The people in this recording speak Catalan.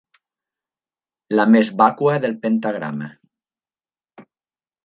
La més vàcua del pentagrama.